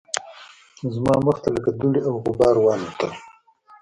زما مخ ته لکه دوړې او غبار والوتل